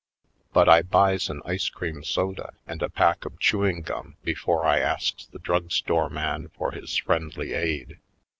But I buys an ice cream soda and a pack of chewing gum Local Colored 89 before I asks the drugstore man for his friendly aid.